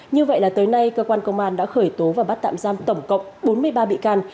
như vậy là tới nay cơ quan công an đã khởi tố và bắt tạm giam tổng cộng bốn mươi ba bị can